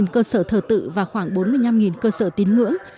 hai mươi chín cơ sở thờ tự và khoảng bốn mươi năm cơ sở tín ngưỡng